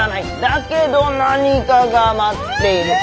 だけど何かが待っている。